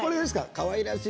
かわいらしい。